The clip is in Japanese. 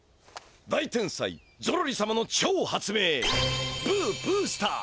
大天才ゾロリ様の超発明ブーブースター！